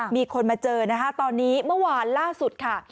มีคนมาเจอนะคะตอนนี้เมื่อวานล่าสุดค่ะ